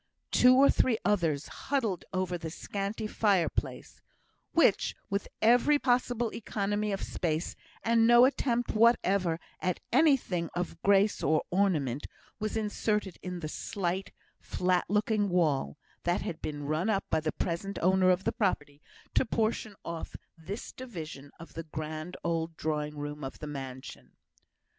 Two or three others huddled over the scanty fireplace, which, with every possible economy of space, and no attempt whatever at anything of grace or ornament, was inserted in the slight, flat looking wall, that had been run up by the present owner of the property to portion off this division of the grand old drawing room of the mansion.